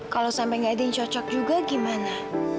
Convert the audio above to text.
kalau sampai nggak ada yang cocok juga gimana